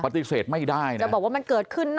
ปฏิเสธไม่ได้นะ